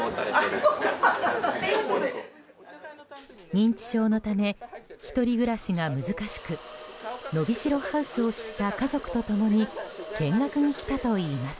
認知症のため１人暮らしが難しくノビシロハウスを知った家族と共に見学に来たといいます。